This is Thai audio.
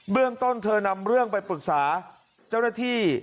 เรื่องต้นเธอนำเรื่องไปปรึกษาเจ้าหน้าที่